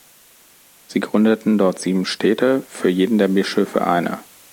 Sie gründeten dort sieben Städte, für jeden der Bischöfe eine.